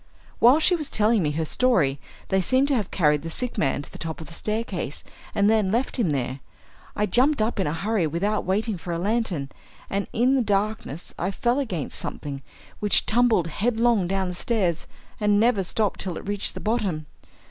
While she was telling me her story they seem to have carried the sick man to the top of the staircase and then left him there. I jumped up in a hurry without waiting for a lantern, and in the darkness I fell against something, which tumbled headlong down the stairs and never stopped till it reached the bottom.